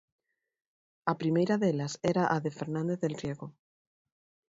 A primeira delas era a de Fernández del Riego.